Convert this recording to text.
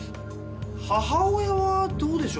母親はどうでしょう？